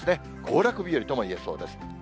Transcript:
行楽日和ともいえそうです。